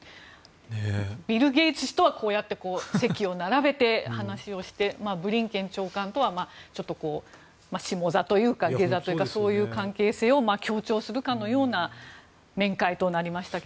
ビル・ゲイツ氏とは席を並べて話をしてブリンケン長官とは下座というかそういう関係性を強調するかのような面会となりましたが。